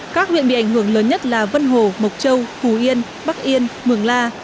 các huyện bị ảnh hưởng lớn nhất là vân hồ mộc châu phú yên bắc yên mường la